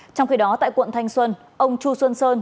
trong khi đó tại quận thanh xuân ông chu xuân sơn